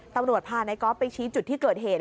ตำรวจพานายก๊อฟไปชี้จุดที่เกิดเหตุ